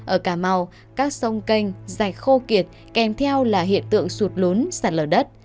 ở cà mau các sông kênh dạy khô kiệt kèm theo là hiện tượng sụt lốn sạt lở đất